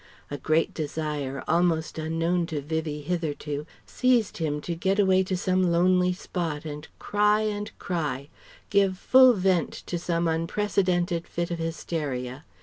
A great desire almost unknown to Vivie hitherto seized him to get away to some lonely spot and cry and cry, give full vent to some unprecedented fit of hysteria.